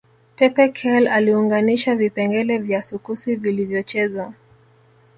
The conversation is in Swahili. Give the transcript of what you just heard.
Pepe Kalle aliunganisha vipengele vya sukusi vilivyochezwa